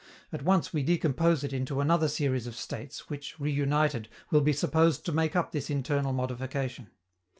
At once we decompose it into another series of states which, reunited, will be supposed to make up this internal modification.